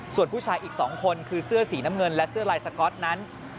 ส่วนผู้ชายอีก๒คนคือเสื้อสีน้ำเงินและเสื้อลายสก๊อตนั้น